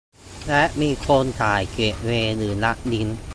และ มีโครงข่ายเกตเวย์ หรือ อัพลิงค์